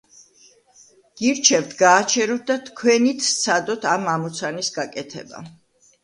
გირჩევთ, გააჩეროთ და თქვენით სცადოთ ამ ამოცანის გაკეთება.